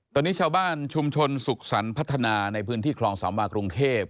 ตอนนี้ชาวบ้านชุมชนสุขสรรค์พัฒนาในพื้นที่คลองสามวากรุงเทพ